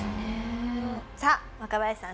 さあ若林さん